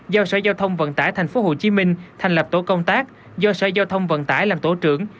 giao sở giao thông vận tải tp hcm thành lập tổ công tác do sở giao thông vận tải làm tổ trưởng